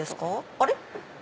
あれ？